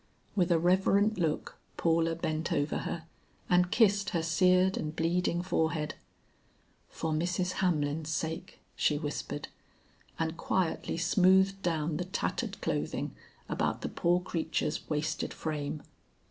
With a reverent look Paula bent over her and kissed her seared and bleeding forehead. "For Mrs. Hamlin's sake," she whispered, and quietly smoothed down the tattered clothing about the poor creature's wasted frame.